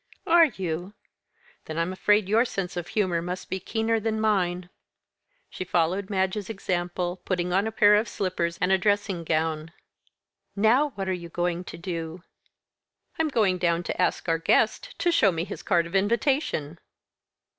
"Are you? Then I'm afraid your sense of humour must be keener than mine." She followed Madge's example putting on a pair of slippers and a dressing gown. "Now, what are you going to do?" "I'm going down to ask our guest to show me his card of invitation."